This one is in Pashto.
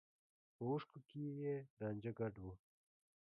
په اوښکو کې يې رانجه ګډ و.